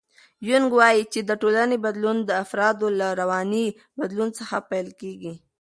یونګ وایي چې د ټولنې بدلون د افرادو له رواني بدلون څخه پیل کېږي.